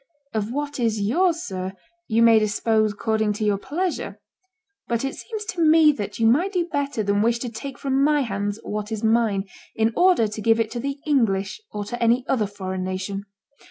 Of what is yours, sir, you may dispose according to your pleasure; but it seems to me that you might do better than wish to take from my hands what is mine, in order to give it to the English or to any other foreign nation.